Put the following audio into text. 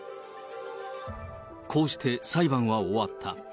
こうして裁判は終わった。